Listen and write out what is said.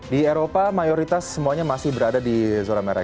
di eropa mayoritas semuanya masih berada di zona merah